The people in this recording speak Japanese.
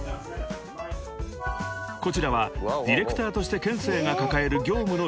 ［こちらはディレクターとしてＫＥＮＳＥＩが抱える業務の一部］